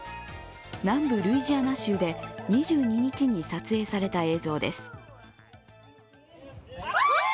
南部ルイジアナ州で２２日に撮影された映像です。